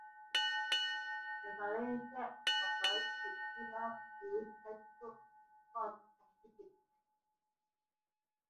The Valentia and Bombay could either be used as troop transports or medium bombers.